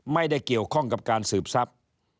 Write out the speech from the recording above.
ไม่ได้เกี่ยวข้องกับการสืบทรัพย์